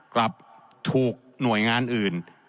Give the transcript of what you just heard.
กลับถูกหน่วยงานอื่น